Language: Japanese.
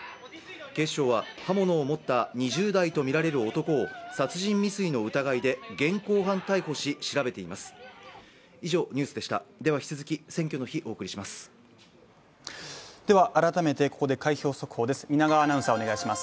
警視庁は刃物を持った２０代とみられる男を殺人未遂の疑いで現行犯逮捕し調べています。